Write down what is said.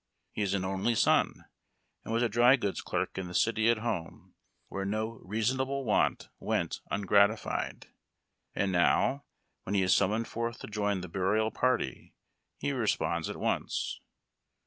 He is an only son, and was a dry goods clerk in the city at home, where no reasonable want went ungratified ; and now, when he is summoned forth to join the burial party, he responds at once.